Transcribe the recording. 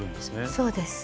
そうです。